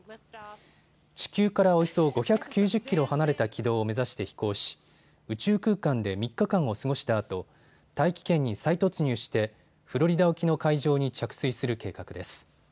地球からおよそ５９０キロ離れた軌道を目指して飛行し宇宙空間で３日間を過ごしたあと大気圏に再突入してフロリダ沖の海上に着水する計画です。